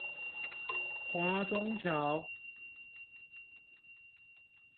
華中橋